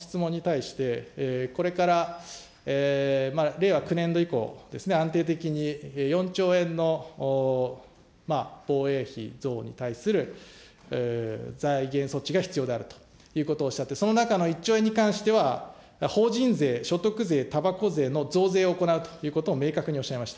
１月３１日の予算委員会で、岸田総理、私の質問に対して、これから令和９年度以降ですね、安定的に４兆円の防衛費増に対する財源措置が必要であるということをおっしゃって、その中の１兆円に関しては、法人税、所得税、たばこ税の増税を行うということを明確におっしゃいました。